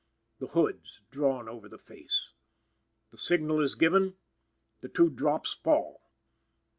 The hoods drawn over the face. The signal is given. The two drops fall.